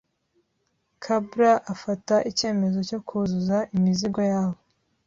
Cabral afata icyemezo cyo kuzuza imizigo yabo